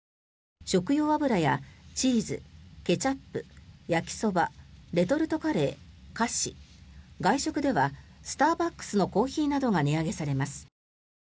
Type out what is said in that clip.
食用油やチーズ、ケチャップ焼きそば、レトルトカレー、菓子外食ではスターバックスのコーヒーなどが値上げされます。